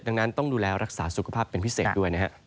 ดังนั้นต้องดูแลรักษาสุขภาพเป็นพิเศษด้วยนะครับ